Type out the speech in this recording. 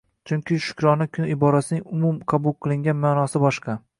Chunki Shukrona kuni iborasining umum qabul qilingan maʼnosi boshqa